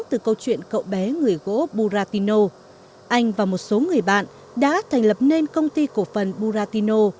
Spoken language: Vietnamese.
từ câu chuyện cậu bé người gỗ burratino anh và một số người bạn đã thành lập nên công ty cổ phần buratino